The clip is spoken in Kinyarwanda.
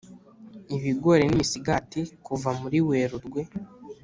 ibigori n’imisigati Kuva muri Werurwe